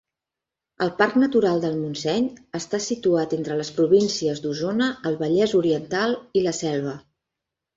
El Parc Natural del Montseny està situat entre les províncies d'Osona, el Vallès Oriental i la Selva.